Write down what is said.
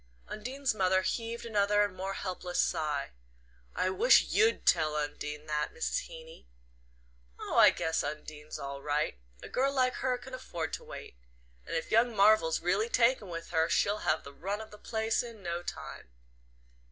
Undine's mother heaved another and more helpless sigh. "I wish YOU'D tell Undine that, Mrs. Heeny." "Oh, I guess Undine's all right. A girl like her can afford to wait. And if young Marvell's really taken with her she'll have the run of the place in no time."